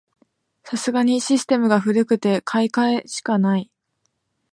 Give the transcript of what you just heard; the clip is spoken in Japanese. さすがにシステムが古くて買い替えしかない